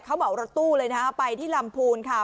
เขาเหมารถตู้เลยนะฮะไปที่ลำพูนค่ะ